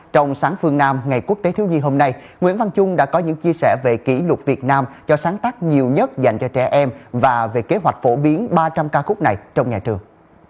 trong sáng phương nam ngày quốc tế thiếu nhi hôm nay nguyễn văn trung đã có những chia sẻ về kỷ lục việt nam cho sáng tác nhiều nhất dành cho trẻ em và về kế hoạch phổ biến ba trăm linh ca khúc này trong nhà trường